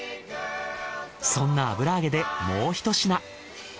そんな油揚げでもうひと品。